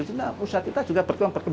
tapi usaha kita juga berkembang terus